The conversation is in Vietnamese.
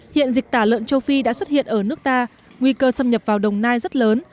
hiện dịch tả lợn châu phi đã xuất hiện ở nước ta nguy cơ xâm nhập vào đồng nai rất lớn